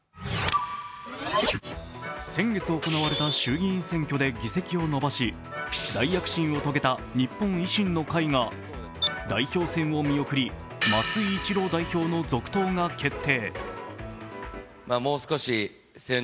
先月行われた衆議院選挙で議席を伸ばし、大躍進を遂げた、日本維新の会が代表選を見送り、松井一郎代表の続投が決定。